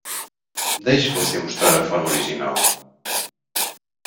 Deixe você mostrar a forma original!